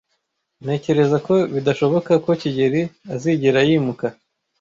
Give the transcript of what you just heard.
Ntekereza ko bidashoboka ko kigeli azigera yimuka.